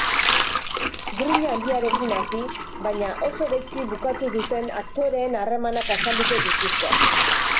Grina handiarekin hasi baina oso gaizki bukatu duten aktoreen harremanak azalduko dituzte.